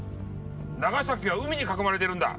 長崎は海に囲まれてるんだ。